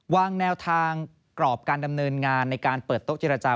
วางแนวทางกรอบการดำเนินงานในการเปิดโต๊ะเจรจา